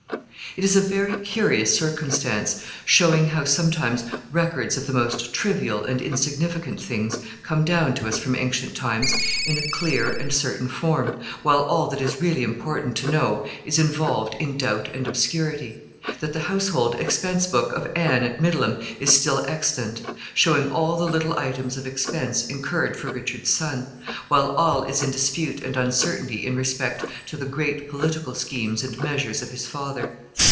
] It is a very curious circumstance, showing how sometimes records of the most trivial and insignificant things come down to us from ancient times in a clear and certain form, while all that is really important to know is involved in doubt and obscurity that the household expense book of Anne at Middleham is still extant, showing all the little items of expense incurred for Richard's son, while all is dispute and uncertainty in respect to the great political schemes and measures of his father.